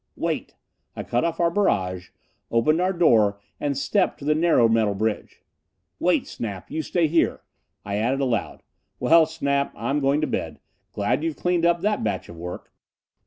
"Wait!" I cut off our barrage, opened our door and stepped to the narrow metal bridge. "Wait, Snap! You stay there." I added aloud, "Well, Snap, I'm going to bed. Glad you've cleaned up that batch of work."